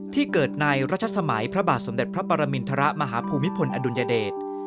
ที่เกิดในรัชสมัยพระบาทสมเด็จพระปรมินทรมาฮภูมิพลอดุลยเดช